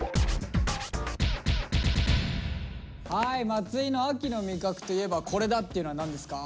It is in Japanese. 松井の「秋の味覚といえばコレだ！」っていうのは何ですか？